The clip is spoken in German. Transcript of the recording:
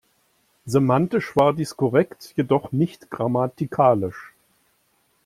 Semantisch war dies korrekt, jedoch nicht grammatikalisch.